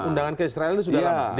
undangan ke israel ini sudah lama